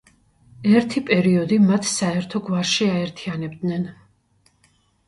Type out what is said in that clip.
ერთი პერიოდი მათ საერთო გვარში აერთიანებდნენ.